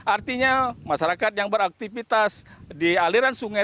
artinya masyarakat yang beraktivitas di aliran sungai